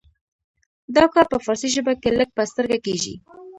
دا کار په فارسي ژبه کې لږ په سترګه کیږي.